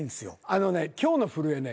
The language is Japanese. あのね今日の震えね